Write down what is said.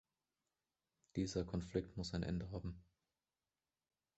Dieser Konflikt muss ein Ende haben.